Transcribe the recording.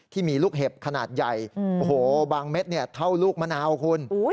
ที่มีลูกเห็บขนาดใหญ่โอ้โหบางเม็ดเท่าลูกมะนาวคุณ